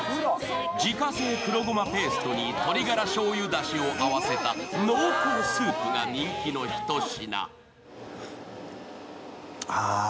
自家製黒ごまペーストに鶏ガラしょうゆだしを合わせた濃厚スープが人気の一品。